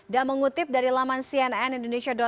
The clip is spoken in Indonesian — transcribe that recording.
dan mengutip dari laman cnnindonesia com